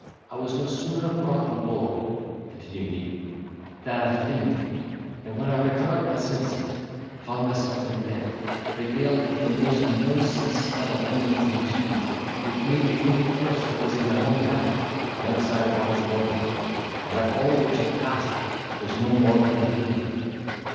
"I was no sooner brought on board," continued he, "than I fainted, and, when I recovered my senses, found myself in bed, regaled with a most noisome smell of onions and cheese, which made me think at first that I was in my own hammock, alongside of honest Morgan, and that all which had passed was no more than a dream.